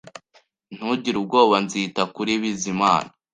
Ntugire ubwoba. Nzita kuri Bizimana